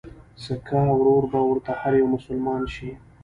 سکه ورور به ورته هر يو مسلمان شي